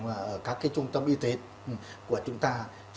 mà ở các cái trung tâm y tế của chúng ta